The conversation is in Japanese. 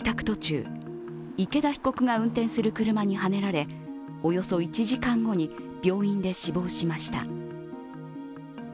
途中池田被告が運転する車にはねられおよそ１時間後に病院で死亡しました。